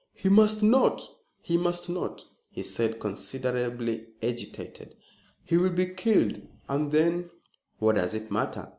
"He must not he must not," he said, considerably agitated. "He will be killed, and then " "What does it matter?"